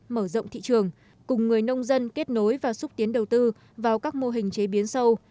mở rộng thị trường cùng người nông dân kết nối và xúc tiến đầu tư vào các mô hình chế biến sâu